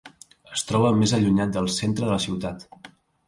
Es troba més allunyat del centre de la ciutat.